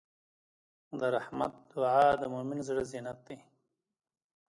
د رحمت دعا د مؤمن زړۀ زینت دی.